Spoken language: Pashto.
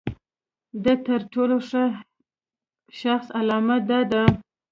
د تر ټولو ښه شخص علامه دا ده.